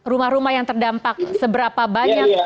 rumah rumah yang terdampak seberapa banyak